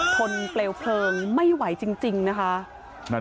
นเปลวเพลิงไม่ไหวจริงนะคะ